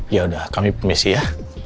yaudah kami permisi ya